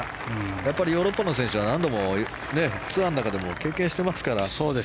やっぱりヨーロッパの選手は何度もツアーの中でも経験してますから。